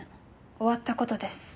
終わった事です。